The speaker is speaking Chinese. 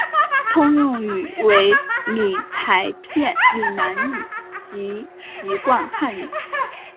通用语为闽台片闽南语及籍贯汉语。